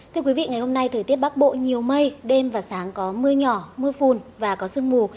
thưa quý vị ngày hôm nay thời tiết bắc bộ nhiều mây đêm và sáng có mưa nhỏ mưa phùn và có sương mù